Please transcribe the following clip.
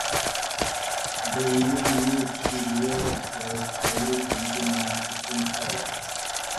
The Indians used the rivers as favorite hunting and fishing sites.